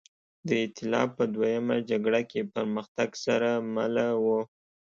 د اېتلاف په دویمه جګړه کې پرمختګ سره مله وه.